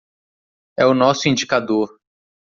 É o nosso indicador